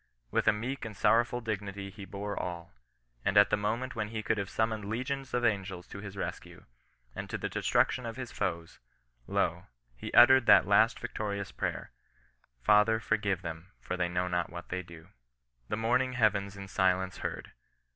With a meek and soirowful dignity he bore all ; and at the moment .when he could have summoned legions of angels to his rescue, and to the destruction of his foes, Jo, he uttered that last vic torious prayer :—^^ Father forgive them, for they know iiot what they do^ The mourning heavens in silence heard.